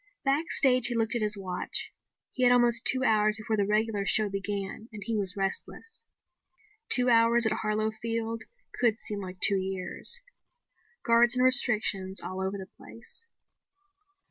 Backstage he looked at his watch. He had almost two hours before the regular show began and he was restless. Two hours at Harlow Field could seem like two years. Guards and restrictions all over the place.